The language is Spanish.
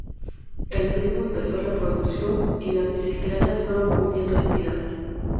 Él mismo empezó la producción y las bicicletas fueron muy bien recibidas.